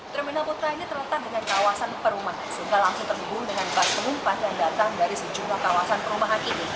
terminal putra ini terletak dengan kawasan perumahan sehingga langsung terhubung dengan penumpang yang datang dari sejumlah kawasan perumahan ini